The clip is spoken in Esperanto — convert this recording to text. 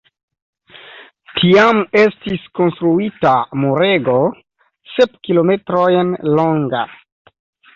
Tiam estis konstruita murego sep kilometrojn longa.